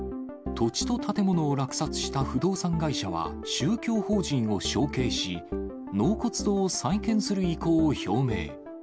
土地と建物を落札した不動産会社は、宗教法人を承継し、納骨堂を再建する意向を表明。